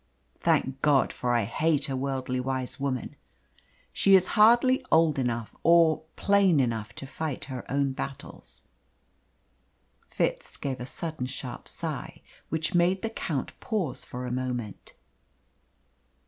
Thank God, for I hate a worldly wise woman. She is hardly old enough or plain enough to fight her own battles." Fitz gave a sudden, sharp sigh, which made the Count pause for a moment.